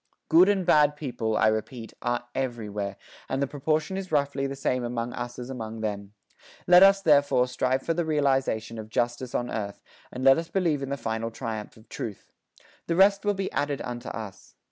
Good and bad people, I repeat, are everywhere, and the proportion is roughly the same among us as among them. Let us, therefore, strive for the realisation of justice on earth, and let us believe in the final triumph of truth. The rest will be added unto us.